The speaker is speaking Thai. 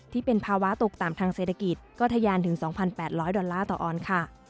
ที่เป็นภาวะตกต่ำทางเศรษฐกิจก็ทะยานถึง๒๘๐๐ดอลลาร์ต่อออนด์ค่ะ